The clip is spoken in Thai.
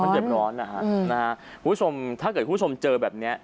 มันเด็ดร้อนนะฮะหูชมถ้าเกิดหูชมเจอแบบเนี้ย